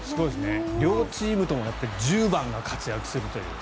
両チームとも１０番が活躍したという。